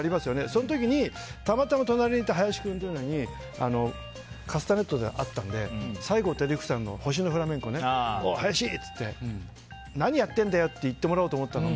その時、隣の席の林君にカスタネットがあったから西郷輝彦さんの「星のフラメンコ」をね林！って言って何やってんだよって言ってもらおうと思ったの。